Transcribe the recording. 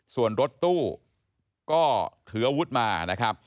ส่วนรถตู้ก็ถืออาวุธมานะครับ